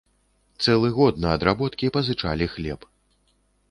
Цэлы год на адработкі пазычалі хлеб.